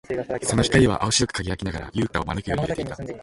その光は青白く輝きながら、ユウタを招くように揺れていた。